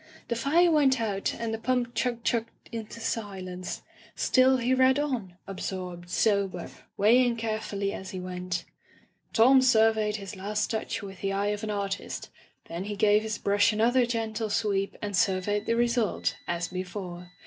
The fire went out and the pump chug chugged into silence; still he read on, absorbed, sober, weighing carefully as he went Tom surveyed his last touch with the eye of an artist^ then he gave his brush another gentle sweep and surveyed the result^ as be^ fore.